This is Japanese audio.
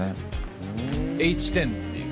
Ｈ１０っていう。